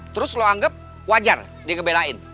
terus lo anggap wajar dia ngebelain